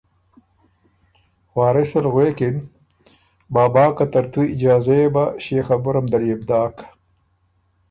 وارٍث ال غوېکِن ”بابا که ترتُو اجازۀ يې بۀ، ݭيې خبُره م دل يې بو داک“